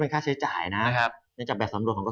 ก็เออโอเค